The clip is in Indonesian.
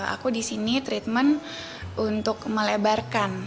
aku disini treatment untuk melebarkan